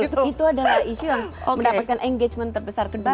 betul itu adalah isu yang mendapatkan engagement terbesar kedua